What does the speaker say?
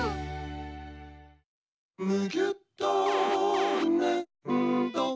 「むぎゅっとねんど」